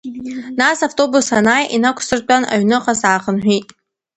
Нас автобус анааи, инақәсыртәан, аҩныҟа саахынҳәит.